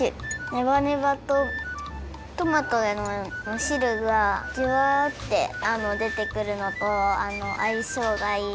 ネバネバとトマトのしるがジュワッてでてくるのとあいしょうがいい。